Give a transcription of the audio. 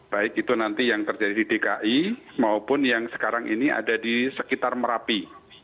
baik itu nanti yang terjadi di dki maupun yang sekarang ini ada di sekitar merapi